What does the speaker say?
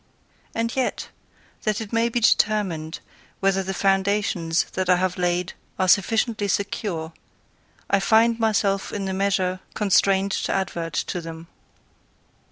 And yet, that it may be determined whether the foundations that I have laid are sufficiently secure, I find myself in a measure constrained to advert to them.